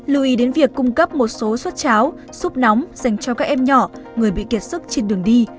lưu ý đến việc cung cấp một số suất cháo xúc nóng dành cho các em nhỏ người bị kiệt sức trên đường đi